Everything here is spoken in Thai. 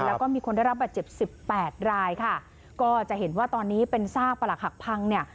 แล้วก็มีคนได้รับบัตรเจ็บ๑๘รายค่ะก็จะเห็นว่าตอนนี้เป็นทราบประหลักพังเนี่ย